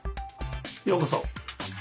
ようこそ。